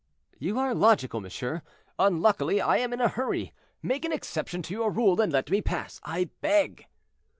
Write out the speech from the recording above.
"You are logical, monsieur. Unluckily, I am in a hurry; make an exception to your rule, and let me pass, I beg."